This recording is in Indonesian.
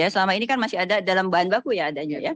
selama ini kan masih ada dalam bahan baku ya adanya